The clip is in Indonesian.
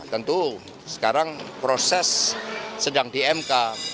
tentu sekarang proses sedang di mk